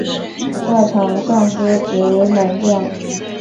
在场上司职门将。